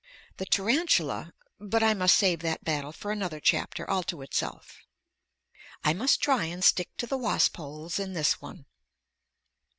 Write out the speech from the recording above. The tarantula but I must save that battle for another chapter all to itself. I must try and stick to the wasp holes in this one.